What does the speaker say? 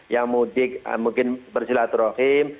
yang mudik mungkin bersilaturahim